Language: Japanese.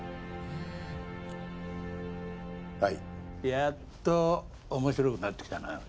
やっと面白くなってきたな。